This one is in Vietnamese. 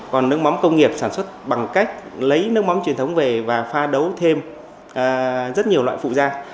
còn nước mắm công nghiệp sản xuất bằng cách lấy nước mắm truyền thống về và pha đấu thêm rất nhiều loại phụ ra